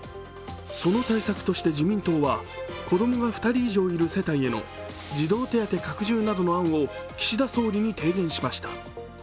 その対策として、自民党は子供が２人以上いる世帯への児童手当拡充などの案を岸田総理に提言しました。